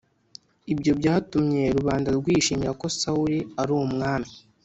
Ibyo byatumye rubanda rwishimira ko Sawuli ari umwami